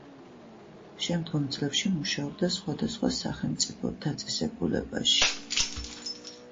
შემდგომ წლებში მუშაობდა სხვადასხვა სახელმწიფო დაწესებულებაში.